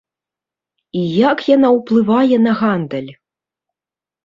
І як яна ўплывае на гандаль?